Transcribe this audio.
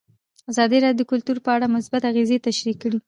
ازادي راډیو د کلتور په اړه مثبت اغېزې تشریح کړي.